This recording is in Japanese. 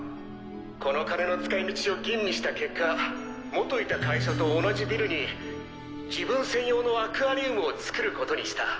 この金の使い道を吟味した結果元いた会社と同じビルに自分専用のアクアリウムを作ることにした。